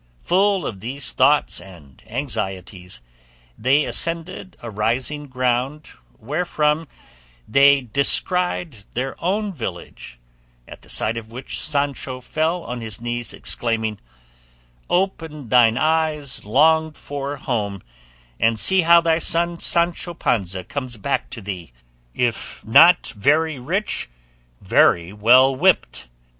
Full of these thoughts and anxieties, they ascended a rising ground wherefrom they descried their own village, at the sight of which Sancho fell on his knees exclaiming, "Open thine eyes, longed for home, and see how thy son Sancho Panza comes back to thee, if not very rich, very well whipped!